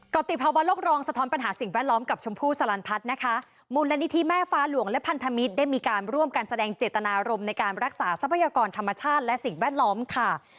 ติภาวะโลกรองสะท้อนปัญหาสิ่งแวดล้อมกับชมพู่สลันพัฒน์นะคะมูลนิธิแม่ฟ้าหลวงและพันธมิตรได้มีการร่วมกันแสดงเจตนารมณ์ในการรักษาทรัพยากรธรรมชาติและสิ่งแวดล้อมค่ะ